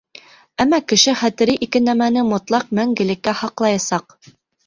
Әммә кеше хәтере ике нәмәне мотлаҡ мәңгелеккә һаҡлаясаҡ.